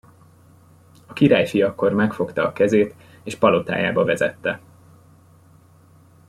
A királyfi akkor megfogta a kezét, és palotájába vezette.